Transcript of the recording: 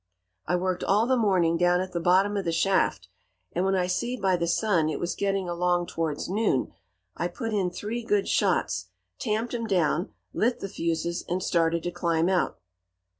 "I worked all the morning down at the bottom of the shaft, and when I see by the sun it was getting along towards noon, I put in three good shots, tamped 'em down, lit the fuses, and started to climb out.